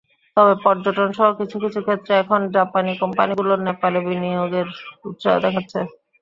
তবে পর্যটনসহ কিছু কিছু ক্ষেত্রে এখন জাপানি কোম্পানিগুলো নেপালে বিনিয়োগের উৎসাহ দেখাচ্ছে।